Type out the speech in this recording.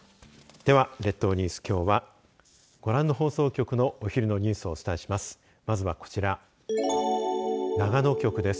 では、列島ニュースきょうはご覧の放送局のお昼のニュースをお伝えします。